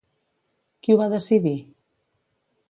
Qui ho va decidir?